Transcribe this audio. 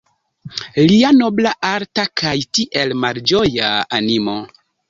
Lia nobla, alta kaj tiel malĝoja animo.